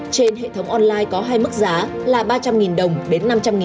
trên hệ thống online có hai mức giá là ba trăm linh đồng đến năm trăm linh đồng